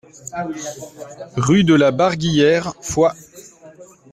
Rue de la Barguillère, Foix